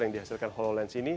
yang dihasilkan hololens ini